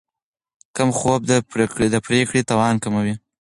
کم خوب د پرېکړې توان کموي.